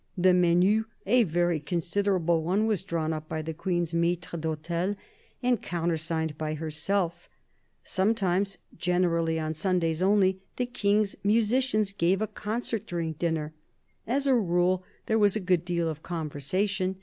The menu, a very considerable one, was drawn up by the Queen's maitre d'hotel and counter signed by herself Sometimes, generally on Sundays only, the King's musicians gave a concert during dinner. As a rule, there was a good deal of conversation.